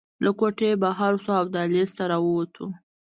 له کوټې رابهر شوو او دهلېز ته راووتو.